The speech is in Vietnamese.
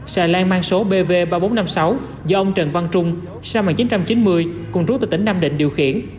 xà lan mang số bv ba nghìn bốn trăm năm mươi sáu do ông trần văn trung sinh năm một nghìn chín trăm chín mươi cùng trú tại tỉnh nam định điều khiển